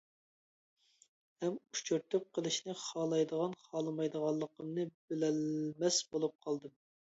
ھەم ئۇچرىتىپ قېلىشنى خالايدىغان-خالىمايدىغانلىقىمنى بىلەلمەس بولۇپ قالدىم.